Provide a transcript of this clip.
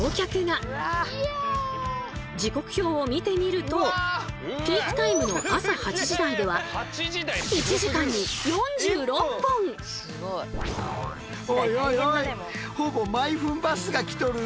時刻表を見てみるとピークタイムの朝８時台では同時じゃん。